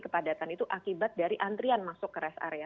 kepadatan itu akibat dari antrian masuk ke rest area